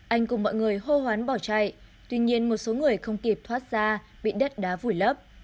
anh cùng mọi người hô hoán bỏ chạy tuy nhiên một số người không kịp thoát ra bị đất đá vùi lấp